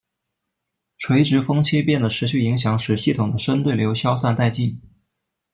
垂直风切变的持续影响使系统的深对流消散殆尽。